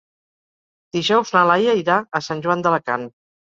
Dijous na Laia irà a Sant Joan d'Alacant.